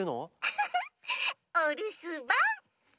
フフッおるすばん！